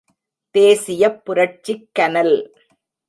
தேசியப் புரட்சிக் கனல்!